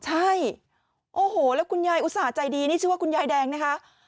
ใช่โอ้โหแล้วคุณยายอุตส่าห์ใจดีนี่ชื่อว่าคุณยายแดงนะคะ